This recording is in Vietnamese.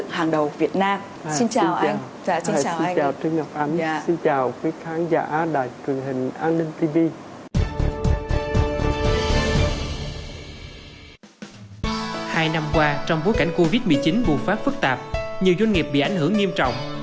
hai năm qua trong bối cảnh covid một mươi chín bùng phát phức tạp nhiều doanh nghiệp bị ảnh hưởng nghiêm trọng